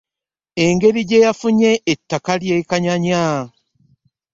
Engeri gye yafunye ettaka lye kanyanya.